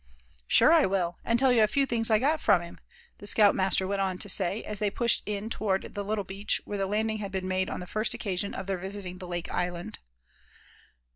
"Sure I will; and tell you a few things I got from him," the scout master went on to say, as they pushed in toward the little beach where the landing had been made on the first occasion of their visiting the lake island.